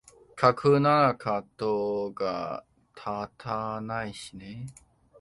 架空ならかどが立たないしね